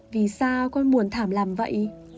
vì sao con buồn thảm làm vậy